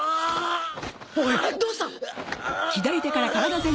おいどうした！